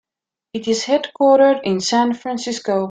It is headquartered in San Francisco.